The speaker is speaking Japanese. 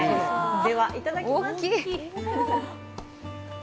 では、いただきます。